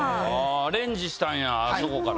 アレンジしたんやあそこから。